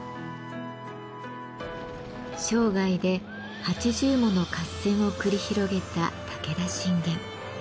生涯で８０もの合戦を繰り広げた武田信玄。